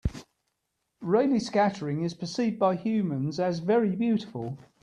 Raleigh scattering is percieved by humans as very beautiful.